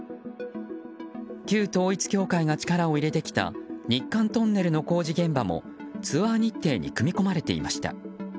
旧統一教会が力を入れてきた日韓トンネルの工事現場もツアー日程に組み込まれていました。